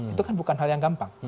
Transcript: itu kan bukan hal yang gampang